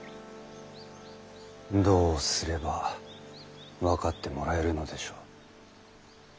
どうすれば分かってもらえるのでしょう。